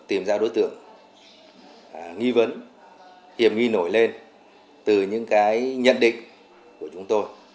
tìm ra đối tượng nghi vấn hiểm nghi nổi lên từ những cái nhận định của chúng tôi